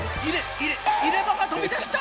入れ歯が飛び出した！？